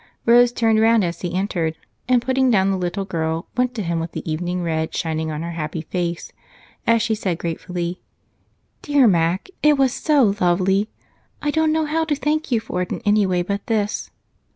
Rose turned around as he entered and, putting down the little girl, went to him with the evening red shining on her happy face as she said gratefully: "Dear Mac, it was so lovely! I don't know how to thank you for it in any way but this."